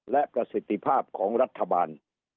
และประสิทธิภาพของรัฐบาล